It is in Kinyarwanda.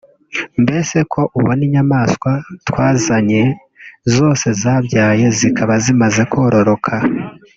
“mbese ko ubona inyamaswa twazanye zose zabyaye zikaba zimaze kwororoka